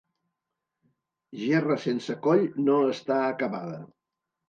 Gerra sense coll no està acabada.